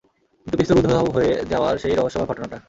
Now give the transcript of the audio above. কিন্তু, পিস্তল উধাও হয়ে যাওয়ার সেই রহস্যময় ঘটনাটা!